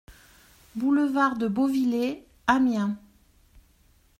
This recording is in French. Boulevard de Beauvillé, Amiens